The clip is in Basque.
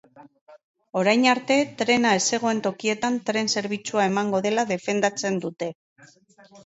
Orain arte, trena ez zegoen tokietan tren zerbitzua emango dela defendatzen dute.